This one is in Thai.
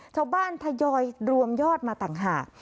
ชาวบ้านทยอยรวมยอดมาต่างหาก